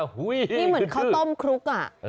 นี่เหมือนเขาต้มครุก